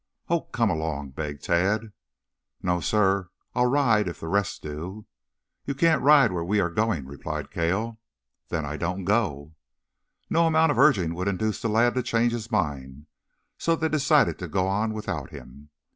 "Oh, come along," begged Tad. "No, sir. I'll ride, if the rest do." "You can't ride where we are going," replied Cale. "Then I don't go." No amount of urging would induce the lad to change his mind, so they decided to go on without him.